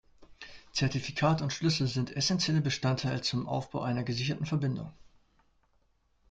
Zertifikat und Schlüssel sind essentielle Bestandteile zum Aufbau einer gesicherten Verbindung.